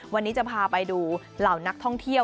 วันนี้จะพาไปดูเหล่านักท่องเที่ยว